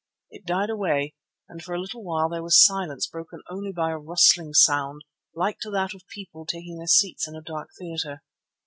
It died away and for a little while there was silence broken only by a rustling sound like to that of people taking their seats in a dark theatre.